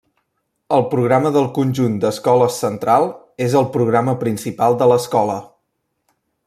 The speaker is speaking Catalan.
El programa del conjunt d'Escoles Central és el programa principal de l'Escola.